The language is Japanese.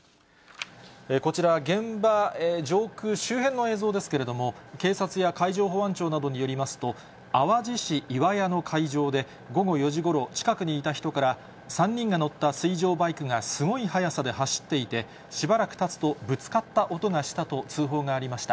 こちら、現場上空周辺の映像ですけれども、警察や海上保安庁などによりますと、淡路市岩屋の海上で、午後４時ごろ、近くにいた人から、３人が乗った水上バイクがすごい速さで走っていて、しばらくたつとぶつかった音がしたと通報がありました。